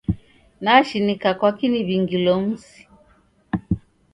Nashinika kwaki niw'ingilo mzi.